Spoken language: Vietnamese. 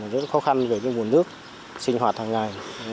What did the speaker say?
rất khó khăn với mùa nước sinh hoạt hàng ngày